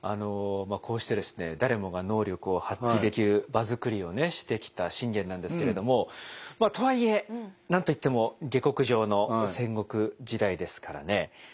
こうして誰もが能力を発揮できる場作りをしてきた信玄なんですけれどもとはいえ何と言っても下克上の戦国時代ですからね